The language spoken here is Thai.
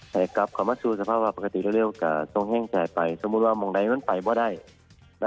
ให้กลับกลับมาสู่สภาพปกติเร็วกับตรงแห้งใจไปสมมุติว่ามองใดมันไปไม่ได้